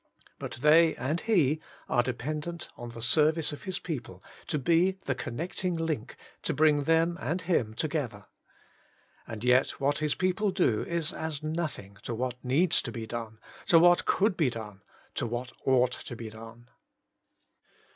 But they and He are dependent on the serv Working for God 23 ice of His people to be the connecting link to bring them and Him together. And yet what His people do is as nothing to what needs to be done, to what could be done, to what ought to be done.